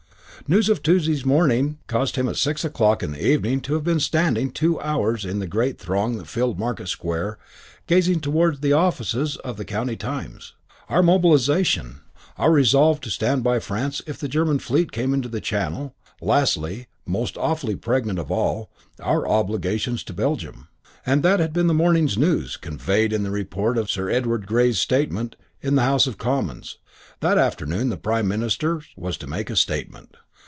IX The news of Tuesday morning caused him at six o'clock in the evening to have been standing two hours in the great throng that filled Market Square gazing towards the offices of the County Times. Our mobilisation, our resolve to stand by France if the German Fleet came into the Channel, lastly, most awfully pregnant of all, our obligations to Belgium, that had been the morning's news, conveyed in the report of Sir Edward Grey's statement in the House of Commons. That afternoon the Prime Minister was to make a statement.